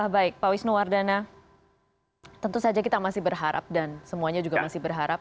baik pak wisnuwardana tentu saja kita masih berharap dan semuanya juga masih berharap